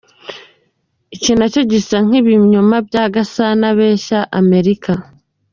Iki nacyo gisa nk’ibinyoma bya Gasana abeshya Amerika.